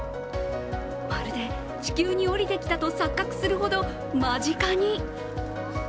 まるで、地球に降りてきたと錯覚するほど間近に。